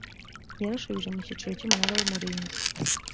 yarashubije mu cyigisho cy umunara w umurinzi